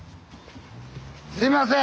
すみません！